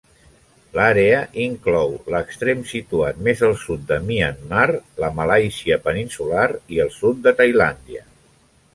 L'àrea inclou l'extrem situat més al sud de Myanmar, la Malàisia peninsular i el sud de Tailàndia.